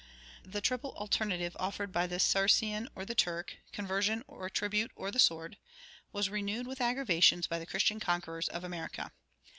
The triple alternative offered by the Saracen or the Turk conversion or tribute or the sword was renewed with aggravations by the Christian conquerors of America.